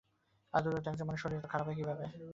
এত দ্রুত এক জন মানুষের শরীর এত খারাপ হয় কীভাবে?